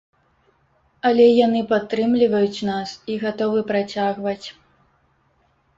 Але яны падтрымліваюць нас і гатовы працягваць.